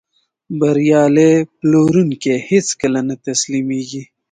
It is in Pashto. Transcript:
بریالی پلورونکی هیڅکله نه تسلیمېږي.